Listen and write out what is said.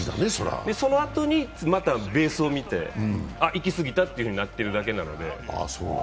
そのあとにまたベースを見てあって行きすぎたとなってるだけなので。